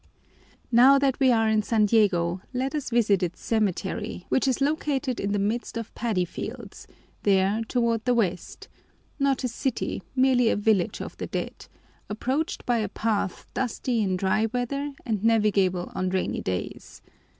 Now that we are in San Diego let us visit its cemetery, which is located in the midst of paddy fields, there toward the west not a city, merely a village of the dead, approached by a path dusty in dry weather and navigable on rainy days.